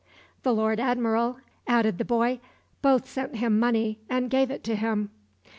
The Lord Admiral, added the boy, both sent him money and gave it to him.